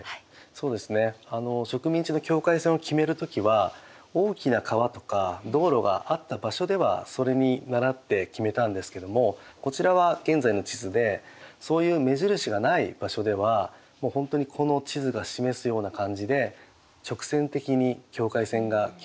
そうですね植民地の境界線を決める時は大きな川とか道路があった場所ではそれに倣って決めたんですけどもこちらは現在の地図でそういう目印がない場所ではほんとにこの地図が示すような感じで直線的に境界線が決められました。